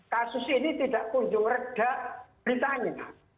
kasus ini tidak punjul reda bisa aja